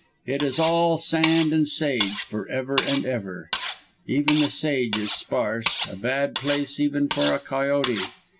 It is all sand and sage, forever and forever. Even the sage is sparse a bad place even for a coyote.